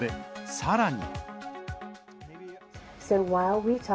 さらに。